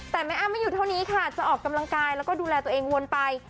แต่แม่อ้ำไม่อยู่เท่านี้ค่ะจะออกกำลังกายแล้วก็ดูแลตัวเองวนไป